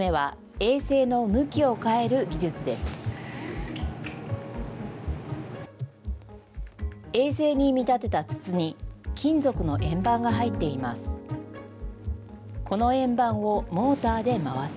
衛星に見立てた筒に、金属の円盤が入っています。